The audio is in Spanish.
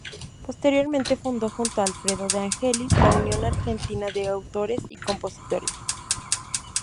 Posteriormente fundó junto a Alfredo De Angelis la "Unión Argentina de Autores y Compositores".